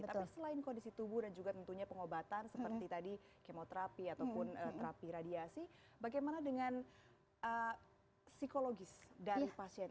tapi selain kondisi tubuh dan juga tentunya pengobatan seperti tadi kemoterapi ataupun terapi radiasi bagaimana dengan psikologis dari pasien